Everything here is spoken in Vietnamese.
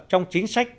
trong chính sách